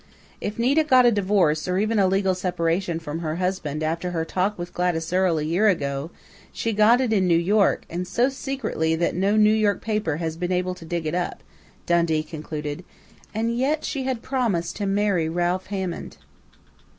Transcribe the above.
"If Nita got a divorce or even a legal separation from her husband after her talk with Gladys Earle a year ago, she got it in New York and so secretly that no New York paper has been able to dig it up," Dundee concluded. "_And yet she had promised to marry Ralph Hammond!